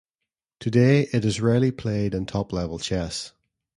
Today it is rarely played in top-level chess.